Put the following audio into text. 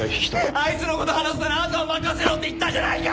あいつのこと話すならあとは任せろって言ったじゃないか！